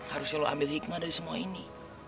harusnya lo ambil hikmah dari semua ini